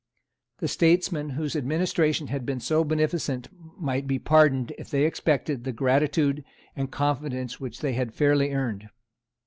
The statesmen whose administration had been so beneficent might be pardoned if they expected the gratitude and confidence which they had fairly earned.